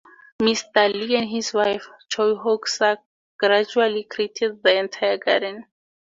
Mr. Lee and his wife, Choi Ho Suk, gradually created the entire garden.